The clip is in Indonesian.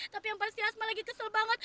tapi yang pasti asma lagi kesel banget